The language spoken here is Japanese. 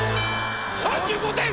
３５点！